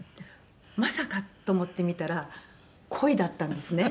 まさかと思って見たらコイだったんですね。